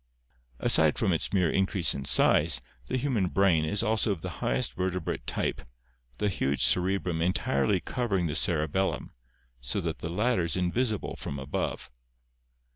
Aside from its mere increase in size, the human brain (see Fig. 241) is also of the highest vertebrate type, the huge cerebrum entirely covering the cerebellum, so that the latter is invisible from above.